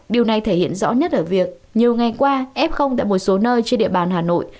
điều này thể hiện rõ nhất ở việc nhiều ngày qua f tại một số nơi trên địa bàn hà nội